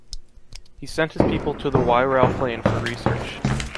He sent his people to the Wairau Plain for research.